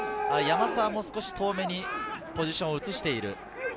山沢も少し遠めにポジションを移している。